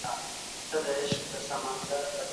تطبیق د قانون تر ټولو مهمه برخه ده.